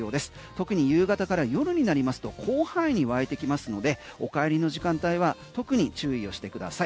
特に夕方から夜になりますと後半に湧いてきますのでお帰りの時間帯は特に注意をしてください。